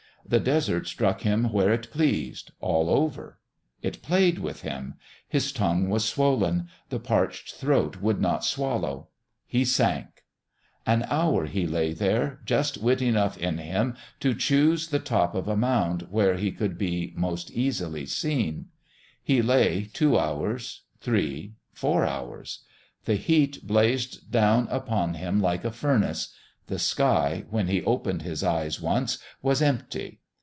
The Desert struck him where it pleased all over. It played with him. His tongue was swollen; the parched throat could not swallow. He sank.... An hour he lay there, just wit enough in him to choose the top of a mound where he could be most easily seen. He lay two hours, three, four hours.... The heat blazed down upon him like a furnace.... The sky, when he opened his eyes once, was empty